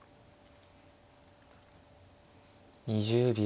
２０秒。